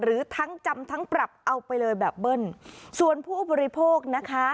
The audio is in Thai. หรือทั้งจำทั้งปรับเอาไปเลยแบบเบิ้ลส่วนผู้บริโภคนะคะ